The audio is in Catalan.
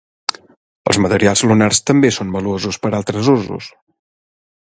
Els materials lunars també són valuosos per a altres usos.